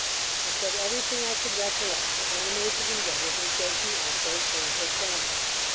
I said every thing I could recollect, to animate his endeavours in shaking off those shameful trammels.